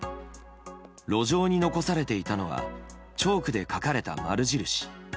路上に残されていたのはチョークで書かれた丸印。